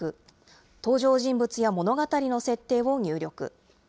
登場人物や物語の設定を入力。